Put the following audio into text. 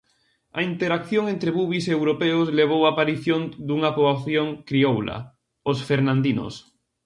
A interacción entre bubis e europeos levou á aparición dunha poboación crioula, os fernandinos.